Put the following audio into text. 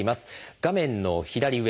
画面の左上